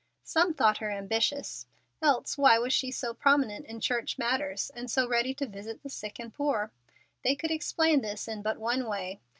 Some thought her ambitious, else why was she so prominent in church matters, and so ready to visit the sick and poor? They could explain this in but one way.